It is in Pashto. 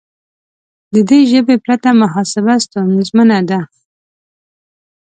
د دې ژبې پرته محاسبه ستونزمنه ده.